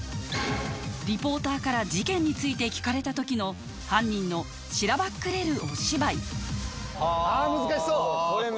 リポーターから事件について聞かれた時の犯人のしらばっくれるお芝居難しそう！